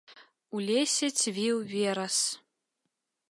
У лесе цвіў верас.